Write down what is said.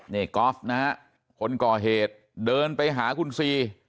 นี่กอล์ฟนะฮะคนก่อเหตุเดินไปหาคุณซี